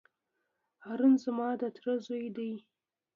هارون زما د تره زوی دی.